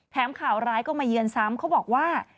ข่าวร้ายก็มาเยือนซ้ำเขาบอกว่า